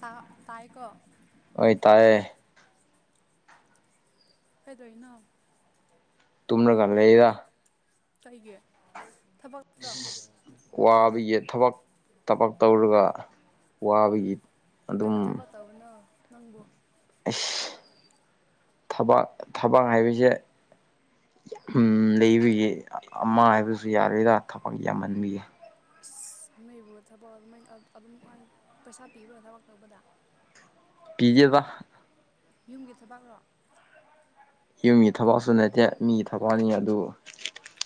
ꯇꯥ ꯇꯥꯏꯌꯦꯀꯣ ꯑꯣꯏ ꯇꯥꯏꯌꯦ ꯀꯩꯗꯧꯔꯤꯅꯣ ꯇꯨꯝꯔꯒꯥ ꯂꯩꯗ ꯀꯩꯒꯤ ꯊꯕꯛ ꯇ꯭ꯔꯣ ꯋꯥꯕꯒꯤ ꯊꯕꯛ ꯊꯕꯛ ꯇꯧꯔꯒ ꯋꯥꯕꯒꯤ ꯀꯔꯤ ꯑꯗꯨꯝ ꯊꯕꯛ ꯇꯧꯕꯅꯣ ꯅꯪꯕꯨ ꯑꯁ ꯊꯕꯥꯛ ꯊꯕꯥꯛ ꯍꯥꯏꯕꯁꯦ ꯂꯩꯕꯒꯤ ꯑꯃ ꯍꯥꯏꯕꯁꯨ ꯌꯥꯔꯣꯏꯗ ꯊꯕꯛ ꯌꯥꯝꯃꯟꯕꯒꯤ ꯑꯁ ꯅꯣꯏꯕꯨ ꯊꯕꯛ ꯑꯗꯨꯃꯥꯏꯅ ꯑꯗꯨꯝ ꯄꯩꯁꯥ ꯄꯤꯕ꯭ꯔꯥ ꯊꯕꯛ ꯇꯧꯕꯗ ꯄꯤꯗꯦꯗ ꯌꯨꯝꯒꯤ ꯊꯕꯛꯔꯣ ꯌꯨꯝꯒꯤ ꯊꯕꯛꯁꯨ ꯅꯠꯇꯦ ꯃꯤꯒꯤ ꯊꯕꯛꯅꯤ ꯑꯗꯨꯕꯨ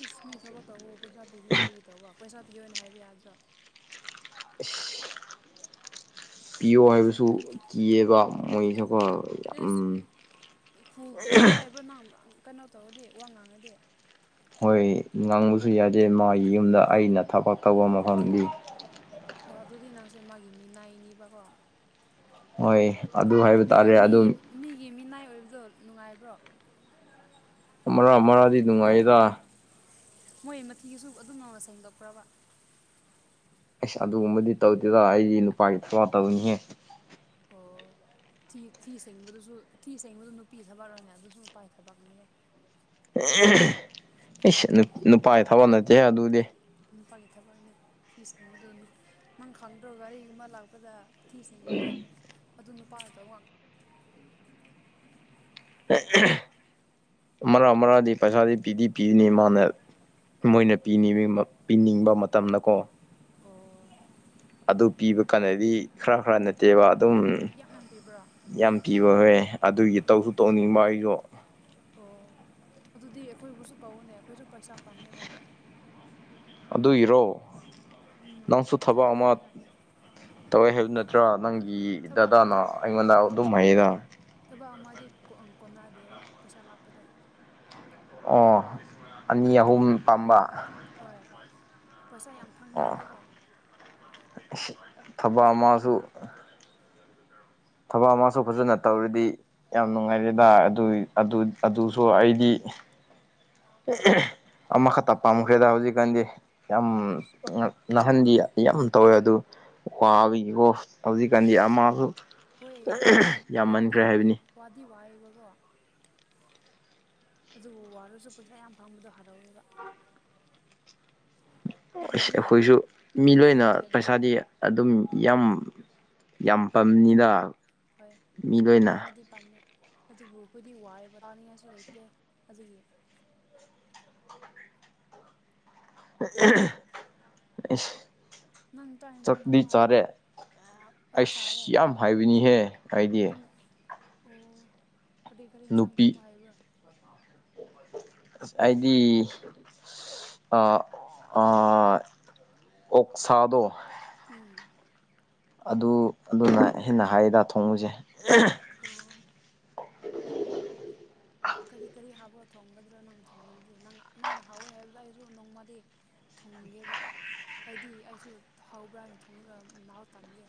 ꯏꯁ ꯃꯤ ꯊꯕꯛ ꯇꯧꯕꯕꯨ ꯄꯩꯁꯥ ꯄꯤꯗꯅ ꯀꯔꯤꯒꯤ ꯇꯧꯕ ꯄꯩꯁꯥ ꯄꯤꯌꯣꯅ ꯍꯥꯏꯕ ꯌꯥꯗ꯭ꯔꯣ [unintelligible] ꯄꯤꯌꯣ ꯍꯥꯏꯕꯁꯨ ꯀꯤꯌꯦꯕ ꯃꯣꯏꯁꯦ ꯀꯣ ꯑꯦꯁ ꯐꯨꯒꯦ ꯍꯥꯏꯕ꯭ꯔꯣ ꯅꯪ ꯀꯩꯅꯣ ꯇꯧꯔꯗꯤ ꯋꯥ ꯉꯥꯡꯉꯗꯤ ꯍꯣꯏ ꯉꯥꯡꯕꯁꯨ ꯌꯥꯗꯦ ꯃꯥꯒꯤ ꯌꯨꯝꯗ ꯑꯩꯅ ꯊꯕꯛ ꯇꯧꯕ ꯃꯐꯝꯗꯤ ꯑꯣ ꯑꯗꯨꯗꯤ ꯅꯪꯁꯦ ꯃꯥꯒꯤ ꯃꯤꯅꯥꯏꯅꯦꯕꯀꯣ ꯍꯣꯏ ꯑꯗꯨ ꯍꯥꯏꯕ ꯃꯤꯒꯤ ꯇꯥꯔꯦ ꯃꯤꯒꯤ ꯑꯗꯨ ꯃꯤꯒꯤ ꯃꯤꯅꯥꯏ ꯑꯣꯏꯕꯗꯣ ꯅꯨꯡꯉꯥꯏꯕ꯭ꯔꯣ ꯑꯃꯔꯥ ꯑꯃꯔꯥꯗꯤ ꯅꯨꯡꯉꯥꯏꯌꯦꯗ ꯃꯣꯏ ꯃꯊꯤꯒꯤꯁꯨ ꯑꯗꯨꯝ ꯉꯧꯅ ꯁꯦꯡꯗꯣꯛꯈ꯭ꯔꯕ ꯑꯦꯁ ꯑꯗꯨꯒꯨꯝꯕꯗꯤ ꯇꯧꯗꯦꯗ ꯑꯩꯗꯤ ꯅꯨꯄꯥꯒꯤ ꯊꯕꯥ ꯇꯧꯅꯤꯍꯦ ꯑꯣ ꯊꯤ ꯊꯤ ꯁꯦꯡꯕꯗꯨꯁꯨ ꯊꯤ ꯁꯦꯡꯕꯗꯨ ꯅꯨꯄꯤꯒꯤ ꯊꯕꯛꯔꯅꯦ ꯑꯗꯨꯁꯨ ꯅꯨꯄꯥꯥꯏ ꯊꯕꯛꯅꯤꯍꯦ ꯑꯩꯁ ꯅꯨꯞ ꯅꯨꯄꯥꯒꯤ ꯊꯕꯛ ꯅꯠꯇꯦꯍꯦ ꯑꯗꯨꯗꯤ ꯅꯨꯄꯥꯒꯤ ꯊꯕꯛꯅꯤ ꯊꯤ ꯁꯦꯡꯕꯗꯨ ꯅꯨꯄꯤ ꯅꯪ ꯈꯪꯗ꯭ꯔꯣ ꯒꯥꯔꯤꯒꯨꯝꯕ ꯂꯥꯛꯄꯗ ꯊꯤ ꯁꯦꯡꯕꯗꯣ ꯑꯗꯨ ꯅꯨꯄꯥꯅ ꯇꯧ ꯉꯥꯛ [unintelligible] ꯃꯔꯛ ꯃꯔꯛꯗꯤ ꯄꯩꯁꯥꯗꯤ ꯄꯤꯗꯤ ꯄꯤꯅꯤ ꯃꯥꯅ ꯃꯣꯏꯅ ꯄꯤꯅꯤꯡ ꯄꯤꯅꯤꯡꯕ ꯃꯇꯝꯗꯀꯣ ꯑꯣ ꯑꯗꯨ ꯄꯤꯕ ꯀꯥꯟꯅꯗꯤ ꯈꯔ ꯈꯔ ꯅꯠꯇꯦꯕ ꯑꯗꯨꯝ ꯌꯥꯝ ꯌꯥꯝ ꯄꯤꯕ꯭ꯔꯣ ꯌꯥꯝ ꯄꯤꯕ ꯍꯣꯏ ꯑꯗꯨꯒꯤ ꯑꯣ ꯇꯧꯁꯨ ꯇꯧꯅꯤꯡꯕ ꯑꯩꯁꯨ ꯑꯣ ꯑꯗꯨꯗꯤ ꯑꯩꯈꯣꯏꯕꯨꯁꯨ ꯀꯧꯋꯣꯅꯦ ꯑꯩꯈꯣꯏꯁꯨ ꯄꯩꯁꯥ ꯄꯥꯝꯃꯦꯕ ꯑꯗꯨꯏꯔꯣ ꯎꯝ ꯅꯪꯁꯨ ꯊꯕꯛ ꯑꯃ ꯇꯧꯅꯤꯡꯉꯥꯏ ꯇꯧꯋꯦ ꯍꯥꯏꯕ ꯅꯠꯇ꯭ꯔꯣ ꯅꯪꯒꯤ ꯊꯕꯛ ꯗꯗꯥꯅ ꯊꯕꯛ ꯑꯩꯉꯣꯟꯗ ꯑꯗꯨꯝ ꯍꯥꯏꯌꯦꯗꯥ ꯊꯕꯛ ꯑꯃꯗꯤ ꯀꯣꯟ ꯀꯣꯟꯅꯗꯦꯕ ꯄꯩꯁꯥ ꯂꯥꯛꯄꯗꯣ ꯑꯣ ꯑꯅꯤ ꯑꯍꯨꯝ ꯄꯥꯝꯕ ꯍꯣꯏ ꯄꯩꯁꯥ ꯌꯥꯝ ꯑꯣ ꯐꯪꯅꯤꯡꯉꯦꯕꯀꯣ ꯊꯕꯛ ꯑꯗꯨꯒꯤ ꯑꯃꯁꯨ ꯊꯕꯛ ꯑꯃꯁꯨ ꯐꯖꯅ ꯇꯧꯔꯗꯤ ꯌꯥꯝ ꯅꯨꯡꯉꯥꯏꯔꯦꯗ ꯑꯗꯨꯏ ꯑꯗꯨ ꯑꯗꯨꯁꯨ ꯑꯩꯗꯤ ꯑꯃꯈꯛꯇ ꯄꯥꯝꯈ꯭ꯔꯦꯗ ꯍꯧꯖꯤꯛꯀꯥꯟꯗꯤ ꯌꯥꯝ ꯑꯩꯁ ꯅꯥꯍꯟꯗꯤ ꯌꯥꯝ ꯇꯧꯋꯦ ꯑꯗꯨ ꯋꯥꯕꯒꯤꯀꯣ ꯍꯧꯖꯤꯛꯀꯥꯟꯗꯤ ꯑꯃꯁꯨ ꯍꯣꯏ ꯋꯥ ꯋꯥꯗꯤ ꯌꯥꯝꯃꯟꯈ꯭ꯔꯦ ꯋꯥꯏ ꯍꯥꯏꯕꯅꯤ ꯋꯥꯗꯤ ꯋꯥꯏꯌꯦꯕꯀꯣ ꯑꯗꯨꯕꯨ ꯋꯥꯔꯁꯨ ꯄꯩꯁꯥ ꯌꯥꯝ ꯐꯪꯕꯗꯣ ꯍꯔꯥꯎꯋꯦꯕ ꯑꯁ ꯑꯩꯈꯣꯏꯗꯤ ꯑꯩꯈꯣꯏꯁꯨ ꯃꯤ ꯑꯩꯈꯣꯏꯗꯤ ꯂꯣꯏꯅ ꯂꯥꯏꯔꯕꯅꯤꯅ ꯄꯩꯁꯥꯗꯤ ꯑꯗꯨꯝ ꯌꯥꯝ ꯌꯥꯝ ꯍꯣꯏ ꯍꯣꯏ ꯄꯝꯅꯤꯗ ꯃꯤ ꯂꯣꯏꯅ ꯇꯝꯃꯦ ꯑꯗꯨꯕꯨ ꯑꯩꯈꯣꯏꯗꯤ ꯋꯥꯏꯌꯦꯕ ꯇꯥꯅꯤꯡꯉꯥꯏꯁꯨ ꯂꯩꯇꯦ ꯑꯗꯨꯒꯤ [unintelligible] ꯅꯪ ꯆꯥꯛ ꯌꯦꯟꯁꯥꯡ ꯆꯥꯛꯗꯤ ꯊꯣꯡꯕ ꯆꯥꯔꯦ ꯍꯥꯏꯕ꯭ꯔꯥ ꯑꯩꯁ ꯌꯥꯝ ꯍꯥꯏꯕꯅꯤꯍꯦ ꯑꯩꯗꯤ ꯄꯨꯡ ꯑꯣ ꯀꯔꯤ ꯀꯔꯤ ꯏꯟꯁꯥꯡ ꯅꯨꯄꯤ ꯊꯣꯡꯕ ꯍꯥꯏꯕ꯭ꯔꯣ ꯑꯩꯗꯤ ꯑꯥ ꯑꯥ ꯑꯣꯛꯁꯥꯗꯣ ꯎꯝ ꯑꯗꯨ ꯑꯗꯨꯅ ꯍꯦꯟꯅ ꯍꯥꯏꯌꯦꯗ ꯊꯣꯡꯕꯁꯦ ꯑꯣ ꯀꯔꯤ ꯀꯔꯤ ꯍꯥꯞꯔ ꯊꯣꯡꯒꯗ꯭ꯔꯥ ꯅꯪꯅ ꯊꯣꯡꯕꯗꯨꯗꯤ ꯅꯪ ꯅꯪꯅ ꯍꯥꯎꯋꯦ ꯍꯥꯏꯕꯗꯨ ꯑꯩꯁꯨ ꯅꯣꯡꯃꯗꯤ ꯊꯣꯡꯒꯦꯕ ꯍꯥꯏꯗꯤ ꯑꯩꯁꯨ ꯍꯧꯕ꯭ꯔꯥ ꯍꯥꯏꯅ ꯊꯣꯡꯔ ꯃꯍꯥꯎ ꯇꯡꯒꯦ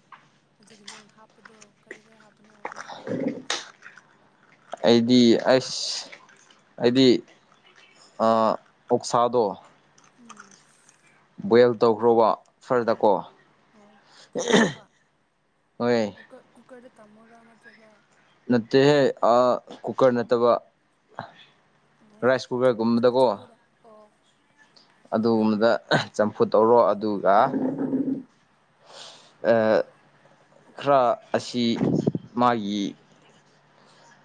ꯑꯗꯨꯒꯤ ꯅꯡꯅꯥ ꯍꯥꯞꯄꯗꯣ ꯀꯔꯤ ꯀꯔꯤ ꯍꯥꯞꯄꯅꯣ ꯑꯝꯇ ꯍꯥꯏꯔꯛꯑꯣꯅꯦ ꯑꯩꯗꯤ ꯑꯁ ꯑꯩꯗꯤ ꯑꯥ ꯑꯣꯛꯁꯥꯗꯣ ꯎꯝ ꯕꯣꯏꯜ ꯇꯧꯈ꯭ꯔꯣꯕ ꯑꯣ ꯐꯔꯗꯀꯣ ꯑꯣ ꯐꯨꯠꯂꯣꯕꯥ ꯍꯣꯏ ꯀꯨꯀꯔ ꯀꯨꯀꯔꯗ ꯀꯥꯝꯃꯣꯔꯥ ꯅꯠꯇ꯭ꯔꯒ ꯅꯠꯇꯦꯍꯦ ꯀꯨꯀꯔ ꯅꯠꯇꯕ ꯑꯣ ꯔꯥꯏꯁ ꯀꯨꯀꯔꯒꯨꯝꯕꯗꯀꯣ ꯆꯐꯨꯗ ꯑꯣ ꯑꯗꯨꯒꯨꯝꯕꯗ ꯆꯝꯐꯨ ꯇꯧꯔꯣ ꯑꯗꯨꯒ ꯈꯔ ꯑꯁꯤ ꯃꯥꯒꯤ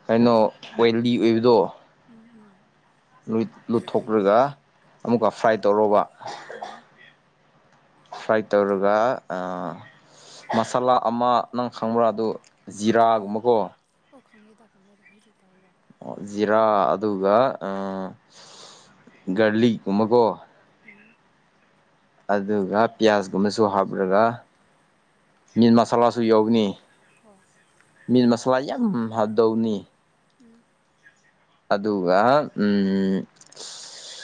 ꯀꯩꯅꯣ ꯋꯦꯜꯗꯤ ꯑꯣꯏꯕꯗꯣ ꯎꯝ ꯎꯝ ꯂꯨꯠꯊꯣꯛꯈ꯭ꯔꯒ ꯑꯃꯨꯛꯀ ꯐ꯭ꯔꯥꯏ ꯇꯧꯔꯕ ꯑꯣ ꯐ꯭ꯔꯥꯏꯠ ꯇꯧꯔꯒ ꯃꯁꯥꯂꯥ ꯑꯃ ꯅꯪ ꯈꯪꯕ꯭ꯔꯥ ꯑꯗꯨ ꯀꯔꯤ ꯖꯤꯔꯥꯒꯨꯝꯕꯀꯣ ꯑꯣ ꯈꯪꯉꯦꯗ ꯈꯪꯉꯦꯗ ꯑꯩꯈꯣꯏꯁꯨ ꯄꯥꯏꯑꯗ ꯑꯣ ꯖꯤꯔꯥ ꯑꯗꯨꯒ ꯑꯥ ꯒꯥꯔꯂꯤꯛꯀꯨꯝꯕꯀꯣ ꯎꯝ ꯑꯗꯨꯒꯞ ꯄꯤꯌꯥꯁꯀꯨꯝꯕꯁꯨ ꯍꯥꯞꯔꯒ ꯃꯤꯠ ꯃꯁꯥꯂꯥꯁꯨ ꯌꯥꯎꯅꯤ ꯑꯣ ꯃꯤꯠ ꯃꯁꯥꯂꯥ ꯌꯥꯝ ꯍꯥꯞꯗꯧꯅꯤ ꯎꯝ ꯑꯗꯨꯒ ꯎꯝ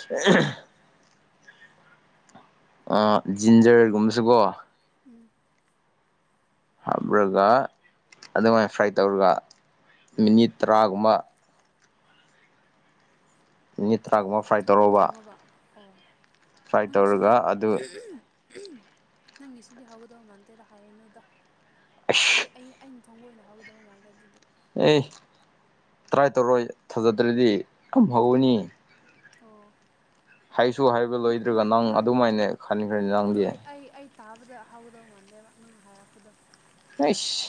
[unintelligible] ꯑ ꯖꯤꯟꯖꯔꯒꯨꯝꯕꯁꯨꯀꯣ ꯎꯝ ꯍꯥꯞꯔꯒ ꯑꯗꯨꯃꯥꯏꯟ ꯐ꯭ꯔꯥꯏ ꯇꯧꯔꯒ ꯃꯤꯅꯤꯠ ꯇꯔꯥꯒꯨꯝꯕ ꯃꯤꯅꯤꯠ ꯊꯣꯡ ꯇꯔꯥꯒꯨꯝꯕ ꯐ꯭ꯔꯥꯏ ꯊꯣꯡ ꯇꯧꯔꯣꯕ ꯊꯣꯡꯉꯕ ꯑꯣ ꯐ꯭ꯔꯥꯏ ꯅꯪꯒꯤꯁꯤꯗꯤ ꯇꯧꯔꯒ ꯑꯗꯨ [unintelligible] ꯅꯪꯒꯤ ꯁꯤꯗꯤ ꯍꯧꯒꯗꯧ ꯃꯥꯟꯗꯦꯗ ꯍꯥꯏꯔꯅꯨꯗ ꯑꯩ ꯑꯁ ꯑꯩ ꯑ ꯊꯣꯡꯒꯣꯏꯅ ꯍꯧꯒꯗꯕ ꯃꯥꯜꯂꯦ ꯑꯗꯨꯗꯤ ꯑꯦ ꯇ꯭ꯔꯥꯏ ꯇꯧꯔꯣꯏ ꯊꯥꯖꯗ꯭ꯔꯗꯤ ꯌꯥꯝ ꯍꯧꯅꯤ ꯑꯣ ꯍꯥꯏꯕ ꯅ ꯂꯣꯏꯗ꯭ꯔꯒ ꯅꯪ ꯅꯪ ꯑꯗꯨꯃꯥꯏꯅ ꯈꯟꯈ꯭ꯔꯦ ꯅꯪꯗꯤ ꯑ ꯑꯩ ꯇꯥꯕꯗ ꯍꯧꯥꯎꯗꯧ ꯃꯥꯟꯗꯦꯕ ꯅꯪ ꯍꯥꯏꯔꯛꯄꯗꯣ ꯑꯩꯁ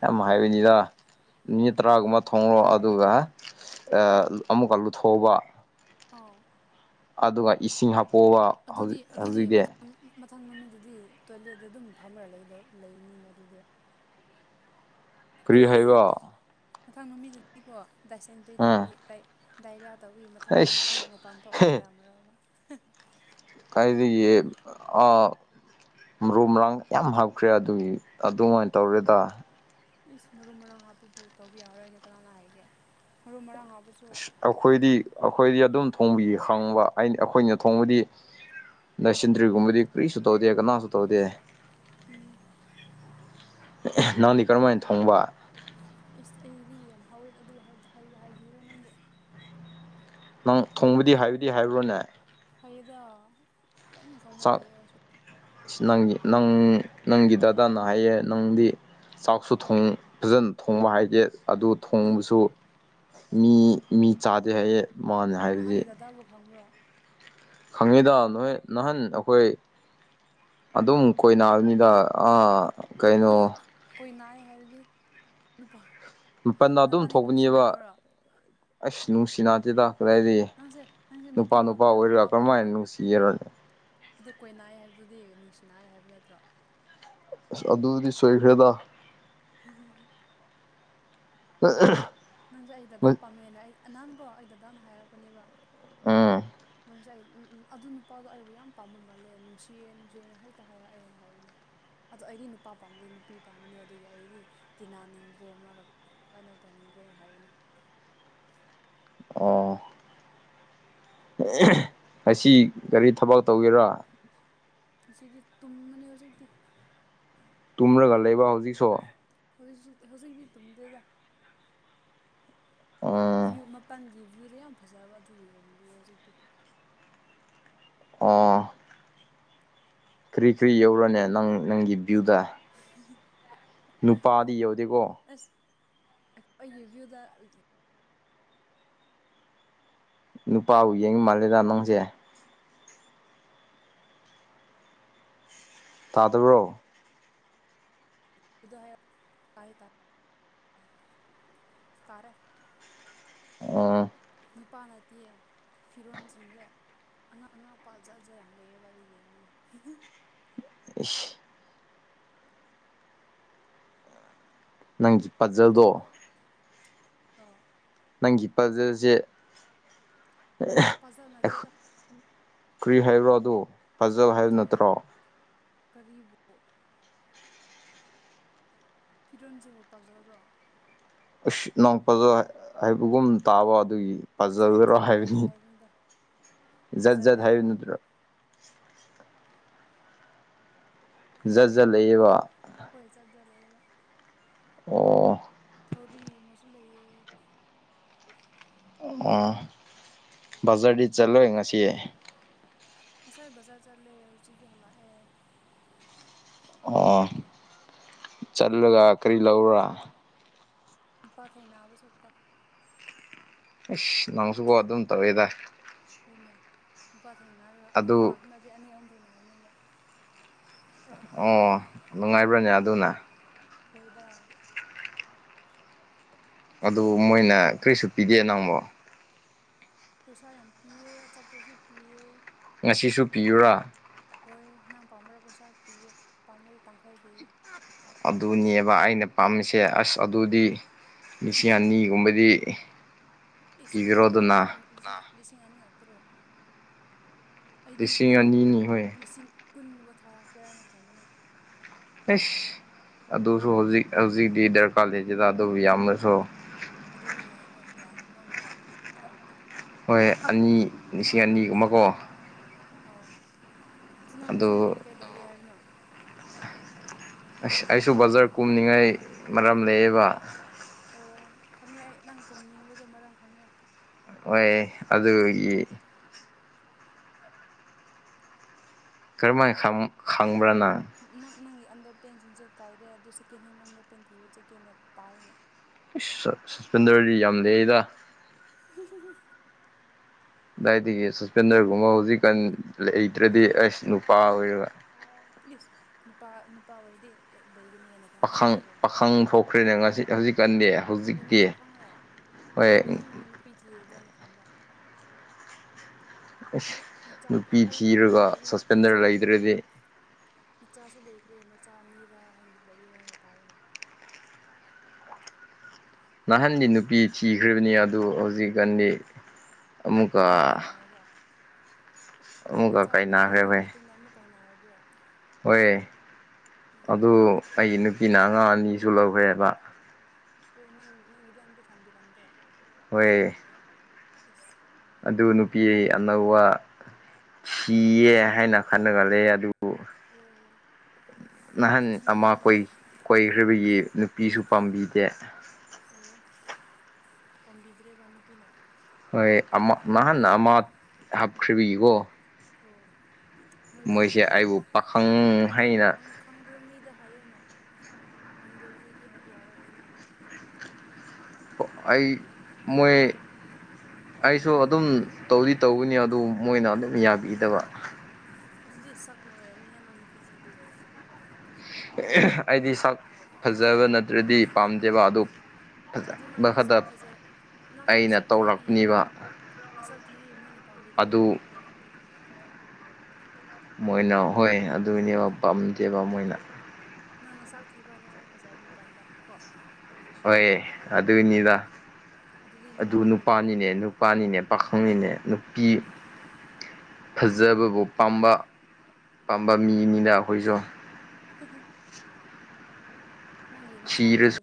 ꯌꯥꯝ ꯍꯥꯏꯕꯅꯤꯗ ꯃꯤꯅꯤꯠ ꯇꯔꯥꯒꯨꯝꯕ ꯊꯣꯡꯂꯣ ꯑꯗꯨꯒ ꯑꯃꯨꯛꯀ ꯂꯨꯊꯣꯛꯑꯧꯕ ꯑꯥꯎ ꯑꯗꯨꯒ ꯏꯁꯤꯡ ꯍꯥꯄꯣꯛꯑꯕ ꯑꯗꯨꯗꯤ ꯍꯧꯖꯤꯛ ꯑꯗꯨꯗꯤ ꯍꯧꯖꯤꯛꯇꯤ ꯃꯊꯪ ꯃꯊꯪ ꯅꯨꯃꯤꯠꯗꯨꯗꯤ ꯇꯣꯏꯂꯦꯠ ꯑꯗꯨꯝ ꯐꯝꯃꯔ ꯂꯩꯗ ꯂꯩꯅꯤꯅꯦ ꯑꯗꯨꯗꯤ ꯀꯔꯤ ꯍꯥꯏꯕ ꯃꯊꯪ ꯅꯨꯃꯤꯗꯗꯤꯀꯣ ꯗꯥꯏꯁꯦꯟꯇ꯭ꯔꯤ ꯎꯝ ꯇꯧꯕꯋꯤ ꯗꯥꯏꯔꯤꯌꯥ ꯇꯧꯕꯋꯤ ꯃꯊꯪ ꯅꯨꯃꯤꯠꯗꯤ ꯑꯩꯁ ꯃꯄꯥꯟ ꯊꯣꯛꯎꯕ ꯀꯌꯥ ꯃꯔꯣꯏꯕ ꯀꯗꯥꯏꯗꯒꯤ ꯃꯔꯨ ꯃꯔꯥꯡ ꯌꯥꯝ ꯍꯥꯞꯈ꯭ꯔꯦ ꯑꯗꯨꯒꯤ ꯑꯗꯨꯃꯥꯏꯅ ꯇꯧꯔꯦꯗ ꯏꯁ ꯃꯔꯨ ꯃꯔꯥꯡ ꯍꯥꯞꯄꯕꯨ ꯇꯧꯕ ꯌꯥꯔꯣꯏ ꯑꯅ ꯀꯅꯥꯅ ꯍꯥꯏꯒꯦ ꯃꯔꯨ ꯃꯔꯥꯡ ꯍꯥꯞꯄꯁꯨ ꯑꯩꯈꯣꯏꯗꯤ ꯑꯩꯈꯣꯏꯗꯤ ꯑꯗꯨꯝ ꯊꯣꯡꯕꯤ ꯈꯪꯕ ꯑꯩꯈꯣꯏꯅ ꯊꯣꯡꯕꯗꯤ ꯗꯥꯏꯁꯟꯇꯔꯤꯒꯨꯝꯕꯗꯤ ꯀꯔꯤꯁꯨ ꯇꯧꯗꯦ ꯀꯅꯥꯁꯨ ꯇꯧꯗꯦ ꯎꯝ ꯅꯪꯗꯤ ꯀꯔꯝ ꯍꯥꯏꯅ ꯊꯣꯡꯕ ꯏꯁ ꯑꯩꯗꯤ ꯌꯥꯝ ꯍꯥꯎꯋꯦꯗ ꯑꯗꯨ ꯍꯥꯏꯕꯤꯔꯥ ꯅꯪꯕꯨ ꯅꯪ ꯊꯣꯡꯕꯗꯤ ꯍꯥꯏꯕꯨꯗꯤ ꯍꯥꯏꯕ꯭ꯔꯣꯅꯦ ꯍꯩꯗ ꯂꯣꯏꯅ ꯁꯪꯕ ꯆꯥꯛ ꯍꯩꯌꯦ ꯍꯥꯏꯁꯨ ꯅꯪꯒꯤ ꯅꯪ ꯅꯪꯒꯤ ꯗꯗꯥꯅ ꯍꯥꯏꯌꯦ ꯅꯪꯗꯤ ꯆꯥꯛꯁꯨ ꯊ ꯐꯖꯅ ꯊꯣꯡꯕ ꯍꯥꯏꯗꯤꯦ ꯑꯗꯨ ꯅꯪ ꯊꯣꯡꯕꯁꯨ ꯃꯤ ꯃꯤ ꯆꯥꯗꯦ ꯍꯥꯏꯌꯦ ꯃꯥꯅ ꯅ ꯑꯩ ꯍꯥꯏꯕꯗꯤ ꯗꯗꯥꯕꯨ ꯈꯪꯕ꯭ꯔꯣ ꯈꯪꯉꯤꯗ ꯅ ꯅꯍꯥꯟ ꯑꯩꯈꯣꯏ ꯑꯗꯨꯝ ꯀꯣꯏꯅꯥꯕꯅꯤꯗ ꯀꯣꯏ ꯅꯥꯏ ꯍꯥꯏꯕꯗꯤ ꯅꯨꯄꯥ ꯃꯥꯄꯟꯅ ꯑꯗꯨꯝ ꯅꯕꯥꯅꯤ ꯊꯣꯛꯄꯅꯦꯕ ꯅꯨꯡꯁꯤꯅꯕ꯭ꯔꯣ ꯑꯁ ꯅꯨꯡꯁꯤ ꯅꯥꯗꯦꯗ ꯑꯗꯏꯗꯤ ꯅꯪꯁꯦ ꯅꯪꯁꯦ ꯅꯨꯄꯥ ꯅꯨꯄꯤ ꯅꯨꯄꯥ ꯄꯥꯝꯗ꯭ꯔꯥ ꯑꯣꯏꯔ ꯀꯔꯝꯥꯏꯅ ꯄꯥꯝꯕ꯭ꯔꯣ ꯅꯨꯡꯁꯤꯒꯔꯣꯅꯤ ꯑꯗꯨ ꯀꯣꯏ ꯅꯥꯏꯌꯦ ꯍꯥꯏꯕꯗꯨꯗꯤ ꯅꯨꯡꯁꯤꯅꯥꯏꯌꯦ ꯍꯥꯏꯕ ꯅꯠꯇ꯭ꯔꯣ ꯑꯗꯨꯗꯤ ꯁꯣꯏꯈ꯭ꯔꯦꯗ ꯍꯝ ꯍ [unintelligible] ꯑ [unintelligible] ꯅꯪꯁꯦ ꯑꯩ ꯗꯗꯥ ꯄꯥꯝꯃꯦꯟꯅ ꯑꯩ ꯑꯅꯥꯟꯀꯣ [unintelligible] ꯑꯩ ꯗꯥꯗꯥ ꯍꯥꯏꯔꯛꯄꯅꯦꯕ ꯎꯝ ꯅꯪꯁꯦ ꯑꯩ ꯎꯝ ꯎꯝ ꯑꯗꯨ ꯅꯨꯄꯥꯗꯣ ꯑꯩꯕꯨ ꯌꯥꯝ ꯄꯥꯝꯕ ꯃꯥꯜꯂꯦ ꯅꯨꯡꯁꯤꯌꯦ ꯅꯨꯡꯁꯤꯌꯦꯅ ꯍꯥꯏꯇ ꯍꯥꯏꯔꯛꯑꯦꯅ ꯍꯥꯏꯕꯅꯦ ꯑꯗꯣ ꯑꯩꯗꯤ ꯅꯨꯄꯥ ꯄꯥꯝꯗꯦ ꯅꯨꯄꯤ ꯄꯥꯝꯕꯅꯦ ꯑꯗꯨꯒꯤ ꯑꯩꯗꯤ ꯇꯤꯟꯅꯅꯤꯡꯗ꯭ꯔꯦ ꯃꯥꯒ ꯀꯩꯅꯣ ꯇꯧꯅꯤꯡꯗ꯭ꯔꯦꯅ ꯍꯥꯏꯕꯅꯦ ꯑꯣ ꯑꯁꯤ ꯀꯔꯤ ꯊꯕꯛ ꯇꯧꯒꯦꯔꯣ ꯉꯁꯤꯗꯤ ꯇꯨꯝꯃꯅꯤ ꯍꯧꯖꯤꯛꯇꯤ ꯇꯨꯝꯔꯒ ꯂꯩꯕ ꯍꯧꯖꯤꯛꯁꯨ ꯍꯧꯖꯤꯛꯁꯨ ꯍꯧꯖꯤꯛꯇꯤ ꯇꯨꯝꯗꯦꯗ ꯑꯣ ꯚ꯭ꯌꯨ ꯃꯄꯜꯒꯤ ꯚ꯭ꯌꯨꯗ ꯌꯥꯝ ꯐꯖꯕ ꯑꯗꯨ ꯌꯦꯡꯕꯤꯑꯦ ꯍꯧꯖꯤꯛꯇꯤ ꯑꯣ ꯀꯔꯤ ꯀꯔꯤ ꯌꯧꯔꯅꯦ ꯅꯪ ꯅꯪꯒꯤ ꯚ꯭ꯌꯨꯗ [unintelligible] ꯅꯨꯄꯥꯗꯤ ꯌꯧꯗꯦꯀꯣ ꯑꯁ ꯑꯩꯒꯤ ꯚ꯭ꯌꯨꯗ ꯅꯨꯄꯥꯕꯨ ꯌꯦꯡꯕ ꯃꯥꯜꯂꯦꯗ ꯅꯪꯁꯦ ꯇꯥꯗꯕ꯭ꯔꯣ ꯎꯗ [unintelligible] ꯍ ꯇꯥꯏ ꯇꯔꯦ ꯇꯥꯔꯦ ꯑꯣ ꯅꯨꯄꯥ ꯅꯠꯇꯤꯌꯦ ꯐꯤꯔꯣꯟꯁꯤꯡꯁꯦ ꯑꯉꯥꯡ ꯑꯉꯥꯡꯄ ꯖꯥꯠ ꯖꯥꯠ ꯌꯥꯝ ꯂꯩꯌꯦꯕ ꯑꯗꯨꯒꯤ ꯌꯦꯡꯕꯅꯦ ꯏꯁ ꯅꯪꯒꯤ ꯄꯖꯜꯗꯣ ꯅꯪ ꯑꯣ ꯅꯪꯒꯤ ꯄꯖꯜꯁꯦ ꯄꯥꯖꯜ ꯑꯩꯈꯣꯏ ꯅꯠꯇꯦꯗ ꯀ꯭ꯔꯤ ꯍꯥꯏꯕ꯭ꯔ ꯑꯗꯨ ꯄꯖꯜ ꯍꯥꯏꯕ ꯑꯗꯨꯝ ꯅꯠꯇ꯭ꯔꯣ ꯀꯔꯤꯕꯨ ꯐꯤꯔꯣꯜꯁꯤꯕꯨ ꯄꯖꯜꯔꯣ ꯑꯁ ꯅꯪ ꯄꯖꯜ ꯍꯥꯏꯕꯒꯨꯝ ꯇꯥꯕ ꯑꯗꯨꯒꯤ ꯖꯥꯠ ꯄꯖꯜꯔꯣ ꯖꯥꯠ ꯂꯩꯌꯦ ꯍꯥꯏꯕꯅꯤ ꯍꯥꯏꯕꯅꯤꯗ ꯖꯠ ꯖꯠ ꯍꯥꯏꯕ ꯅꯠꯇ꯭ꯔꯣ ꯐꯖ ꯖꯠ ꯖꯠ ꯂꯩꯌꯦꯕ ꯍꯣꯏ ꯖꯠ ꯖꯠ ꯂꯩꯌꯦꯕ ꯑꯣ ꯊꯧꯔꯤꯒꯨꯝꯕꯁꯨ ꯂꯩꯌꯦ ꯑꯣ ꯕꯖꯔꯗꯤ ꯆꯠꯂꯣꯏ ꯉꯁꯤ ꯉꯁꯥꯏ ꯕꯖꯥꯔ ꯆꯠꯂꯦ ꯍꯧꯖꯤꯛꯇꯤ ꯍꯂꯛꯑꯦ ꯑꯣ ꯆꯠꯂꯒ ꯀꯔꯤ ꯂꯧꯕꯔ ꯅꯨꯄꯥ ꯊꯩꯅꯥꯕ ꯆꯣꯠꯄ ꯑꯁ ꯅꯪꯁꯨꯀꯣ ꯑꯗꯨꯝ ꯇꯧꯋꯦꯗ ꯍꯈꯣꯏꯅꯦ ꯅꯨꯄꯥ ꯊꯦꯡꯅꯔ ꯑꯗꯨ ꯑꯃꯇ ꯅꯠꯇꯦ ꯑꯅꯤ ꯑꯍꯨꯝ ꯊꯦꯡꯅꯕꯅꯦꯕ ꯑꯣ ꯅꯨꯡꯉꯥꯏꯕ꯭ꯔꯅꯦ ꯑꯗꯨꯅ ꯍꯣꯏꯗ ꯑꯗꯨ ꯃꯣꯏꯅ ꯅꯨꯡꯉꯥꯏ ꯀꯔꯤꯁꯨ ꯄꯤꯒꯦ ꯅꯪꯃꯣ ꯄꯩꯁꯥ ꯌꯥꯝ ꯄꯤꯌꯦ ꯑꯆꯥꯠꯄꯁꯨ ꯄꯤꯌꯦ ꯉꯁꯤꯁꯨ ꯄꯤꯌꯨꯔꯥ ꯍꯣꯏ ꯅꯪ ꯄꯥꯝꯃꯔ ꯄꯩꯁꯥ ꯄꯤꯌꯦ ꯄꯥꯝꯃꯗꯤ ꯇꯥꯡꯈꯩ ꯄꯤꯌꯦ ꯑꯗꯨꯅꯦꯕ ꯑꯩꯅ ꯄꯥꯝꯃꯤꯁꯦ ꯑꯁ ꯑꯗꯨꯗꯤ ꯁꯤꯡ ꯑꯅꯤꯒꯨꯝꯕꯗꯤ ꯏꯁ ꯅꯪꯅ ꯄꯤꯕꯤꯔꯣꯗꯅ ꯄꯥꯝꯁꯨꯅꯤ ꯂꯤꯁꯤꯡ ꯑꯅꯤꯒ ꯇꯔꯨꯛ ꯑꯩꯗꯤ ꯂꯤꯁꯤꯡ ꯀꯨꯟ ꯑꯅꯤꯅꯤ ꯍꯣꯏ ꯂꯤꯁꯤꯡ ꯀꯨꯟꯒꯨꯝꯕ ꯊꯥ ꯀꯔꯥꯏꯅ ꯈꯟꯕꯅꯦ ꯑꯦꯁ ꯑꯗꯨꯁꯨ ꯍꯧꯖꯤꯛ ꯍꯧꯖꯤꯛꯇꯤ ꯗꯔꯀꯥꯔ ꯂꯩꯖꯗ ꯑꯗꯨꯕꯨ ꯌꯥꯝꯅꯁꯨ ꯑꯗꯨꯗꯤ ꯌꯥꯏ ꯍꯣꯏ ꯌꯥꯏ ꯅꯪꯅ ꯄꯥꯥꯝꯕꯗꯨ ꯑꯗꯨꯝ ꯊꯥꯔꯛꯀꯦ ꯍꯣꯏ ꯑꯅꯤ ꯂꯤꯁꯤꯡ ꯑꯅꯤꯒꯨꯝꯕꯀꯣ ꯑꯣ ꯑꯗꯨ ꯅꯪ ꯂꯤꯁꯤꯡ ꯑꯅꯤꯅ ꯀꯩꯗꯧꯒꯦ ꯍꯥꯏꯕꯅꯣ ꯑꯁ ꯑꯩꯁꯨ ꯕꯖꯥꯔ ꯀꯨꯝꯅꯤꯡꯉꯥꯏ ꯃꯔꯝ ꯂꯩꯌꯦꯕ ꯑꯣ ꯈꯪꯉꯦ ꯑꯩ ꯅꯍꯥꯟ ꯀꯨꯝꯅꯤꯡꯕꯗꯣ ꯃꯔꯝ ꯈꯪꯉꯦ ꯍꯣꯏ ꯑꯗꯨꯒꯤ ꯀꯔꯃꯥꯏ ꯈꯪ ꯈꯪꯕ꯭ꯔ ꯅꯪ ꯅꯪ ꯅꯪꯒꯤ ꯑꯟꯗꯔ ꯄꯦꯟꯁꯤꯡꯁꯦ ꯀꯥꯏꯔꯦ ꯑꯗꯨꯗꯣ ꯁꯦꯀꯦꯟ ꯍꯦꯟꯗ ꯑꯟꯗꯔ ꯄꯦꯟ ꯊꯤꯕ ꯆꯠꯀꯦꯅ ꯇꯥꯏꯅꯦ ꯑꯁ ꯁꯁꯄꯦꯟꯗꯔꯗꯤ ꯌꯥꯝ ꯂꯩꯗ [inaudible] ꯑꯗꯨꯗꯥꯏꯗꯒꯤ ꯁꯁꯄꯦꯟꯗꯔꯒꯨꯝꯕ ꯍꯧꯖꯤꯛꯀꯥꯟ ꯂꯩꯇ꯭ꯔꯗꯤ ꯑꯁ ꯅꯨꯄꯥ ꯑꯣꯏꯔꯒ ꯌꯦꯁ ꯅꯨꯄꯥ ꯅꯨꯄꯥ ꯑꯣꯏꯔꯗꯤ ꯂꯩꯒꯅꯤꯅ ꯄꯥꯈꯪ ꯄꯥꯈꯪ ꯊꯣꯛꯈ꯭ꯔꯦꯅꯦ ꯉꯁꯤ ꯍꯧꯖꯤꯛꯀꯥꯟꯗꯤ ꯍꯧꯖꯤꯛꯇꯤ ꯍꯣꯏ ꯁꯤ ꯅꯪ ꯅꯨꯄꯤ ꯊꯤꯔꯨꯔꯕ꯭ꯔ ꯍꯥꯏꯅ ꯈꯟꯕ ꯑ ꯅꯆꯥ ꯑꯩꯗꯗꯥ ꯍꯥꯏꯕꯤꯅ ꯅꯆꯥꯁꯨ ꯂꯩꯔꯦ ꯂꯩꯗ꯭ꯔꯗꯤ ꯅꯆꯥꯁꯨ ꯂꯩꯈ꯭ꯔꯦ ꯅꯆꯥ ꯑꯅꯤꯔꯥ ꯍꯥꯏꯅ ꯂꯩꯑꯦ ꯍꯥꯏꯅ ꯇꯥꯏꯅꯦ ꯅꯍꯥꯟꯗꯤ ꯅꯨꯄꯤ ꯊꯤꯈ꯭ꯔꯤꯕꯅꯤ ꯑꯗꯨ ꯍꯧꯖꯤꯛꯀꯥꯟꯗꯤ ꯍꯣ ꯑꯃꯨꯛꯀꯥꯏ ꯑꯃꯨꯛꯀ ꯅꯥꯔꯕ ꯑꯃꯨꯛꯀ ꯃꯆꯥ ꯑꯅꯤ ꯀꯥꯏꯅꯈ꯭ꯔꯦ ꯂꯩꯈ꯭ꯔꯕ ꯍꯣꯏ ꯃꯇꯨꯡꯗ ꯑꯃꯨꯛꯀꯥꯏ ꯅꯥꯔꯕ꯭ꯔꯣ ꯍꯣꯏ ꯑꯗꯨ ꯑꯩ ꯅꯨꯄꯤꯅ ꯑꯉꯥꯡ ꯑꯅꯤꯁꯨ ꯂꯧꯈ꯭ꯔꯦꯕ ꯑꯣ ꯅꯪ ꯅꯪꯒꯤꯗꯤ ꯑꯝꯇ ꯊꯝꯕꯤꯔꯝꯗꯦ ꯍꯣꯏ ꯏꯁꯁ ꯑꯗꯨ ꯅꯨꯄꯤ ꯑꯅꯧꯕ ꯁꯤꯤꯌꯦ ꯍꯥꯏꯅ ꯈꯟꯅꯒꯜꯂꯦ ꯑꯗꯨ ꯑꯣ ꯅꯍꯟ ꯑꯃ ꯊꯤꯌꯣꯅꯦ ꯀꯣꯏꯈ꯭ꯔꯤꯕꯒꯤ ꯅꯨꯄꯤꯁꯨ ꯄꯥꯝꯕꯤꯗꯦ ꯑꯣ ꯄꯥꯝꯕꯤꯗ꯭ꯔꯦꯕ ꯅꯨꯄꯤꯅ ꯍꯣꯏ ꯑꯃ ꯅꯍꯥꯟꯅ ꯑꯃ ꯍꯥꯞꯈ꯭ꯕꯤꯀꯣ ꯑꯣ ꯃꯣꯏ ꯈꯪꯕ꯭ꯔꯅꯦ ꯑꯩꯕꯨ ꯄꯥꯈꯪ ꯑꯗꯨ ꯍꯩꯅ ꯈꯪꯗꯣꯏꯕ ꯃꯤꯗ ꯍꯥꯏꯌꯣꯅ ꯈꯪꯗꯣꯏꯕ ꯃꯤꯗꯤ ꯌꯥꯔꯛꯀꯅꯤꯌꯦ ꯑꯩ ꯃꯣꯏ ꯑꯩꯁꯨ ꯑꯗꯨꯝ ꯇꯧꯗꯤ ꯇꯧꯅꯤ ꯑꯗꯨ ꯃꯣꯏꯅ ꯑꯗꯨꯝ ꯌꯥꯕꯤꯗꯕ ꯑꯗꯨꯗꯤ ꯁꯛꯅ ꯑꯣꯏꯔꯕꯝꯅꯦ ꯍꯦ ꯅꯪꯅ ꯅꯨꯄꯤꯤ ꯊꯤꯕꯤ ꯑꯣꯏꯔꯝꯃꯣꯏ ꯑꯩꯗꯤ ꯁꯛ ꯐꯖꯕ ꯅꯠꯇ꯭ꯔꯗꯤ ꯄꯥꯝꯗꯦꯕ ꯑꯗ ꯑꯗꯨ ꯅꯪꯅ ꯁꯥꯛ ꯐꯖ ꯅꯪꯅ ꯑꯩꯅ ꯆꯥꯛ ꯊꯤꯕꯤꯌꯦ ꯃꯣꯏ ꯇꯧꯔꯛꯄꯅꯦꯕ ꯅꯁꯛ ꯊꯤ ꯃꯣꯏꯅ ꯄꯥꯝꯕꯤꯗꯕꯩ ꯑꯗꯨ ꯑꯣꯏꯔꯝꯅꯦꯕ ꯃꯣꯏꯅ ꯍꯣꯏ ꯑꯗꯨꯏꯅꯦꯕ ꯄꯥꯝꯗꯦꯕ ꯃꯣꯏꯅ ꯅꯪꯅ ꯆꯥꯛ ꯊꯤꯕ ꯅ ꯆꯥꯛ ꯐꯖꯕ ꯃꯤ ꯄꯥꯝꯕ ꯀꯣ ꯍꯣꯏ ꯑꯗꯨꯏꯅꯤꯗ ꯑꯗꯨꯗꯤ ꯑꯗꯨ ꯅꯪꯒꯤꯗꯤ ꯑꯣꯏꯊꯣꯛꯔꯣꯏ ꯅꯨꯄꯥꯅꯤꯅꯦ ꯅꯨꯄꯥꯅꯤꯅꯦ ꯄꯥꯈꯪꯅꯤꯅꯦ ꯅꯨꯄꯤ ꯐꯖꯕꯕꯨ ꯄꯥꯝꯕ ꯄꯥꯝꯕ ꯃꯤꯅꯤꯅ ꯑꯩꯈꯣꯏꯁꯨ ꯍꯤ ꯍꯤ ꯅꯪꯒꯤ ꯅꯁꯥꯒꯤ ꯊꯤꯔꯁꯨ ꯂꯦꯞ